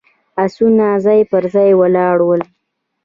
آسونه ځای پر ځای ولاړ ول.